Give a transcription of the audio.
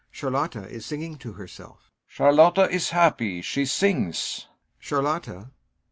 CHARLOTTA is singing to herself.] GAEV. Charlotta is happy; she sings! CHARLOTTA.